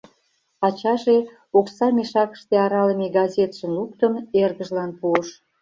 Ачаже, окса мешакыште аралыме газетшым луктын, эргыжлан пуыш.